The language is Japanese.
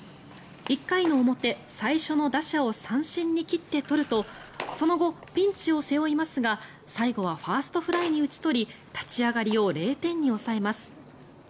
１回の表、最初の打者を三振に切って取るとその後、ピンチを背負いますが最後はファーストフライに打ち取り立ち上がりを０点に抑えます。